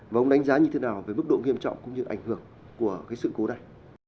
và ông đánh giá như thế nào về mức độ nghiêm trọng cũng như ảnh hưởng của sự cố này